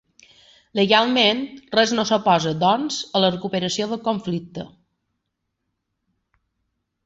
Legalment, res no s'oposa, doncs, a la recuperació del conflicte.